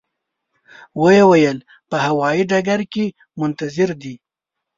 و یې ویل په هوایي ډګر کې منتظر دي.